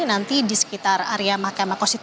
nanti di sekitar area mk